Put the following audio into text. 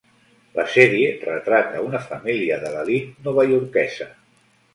La sèrie retrata una família de l'elit novaiorquesa.